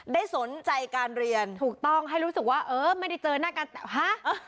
ได้สนใจการเรียนถูกต้องให้รู้สึกว่าเออไม่ได้เจอหน้ากันแต่ฮะ